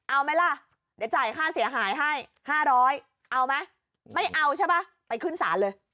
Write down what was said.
เอาไหมล่ะเดี๋ยวจ่ายค่าเสียหายให้๕๐๐เอาไหมไม่เอาใช่ป่ะไปขึ้นศาลเลย